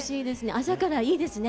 朝からいいですね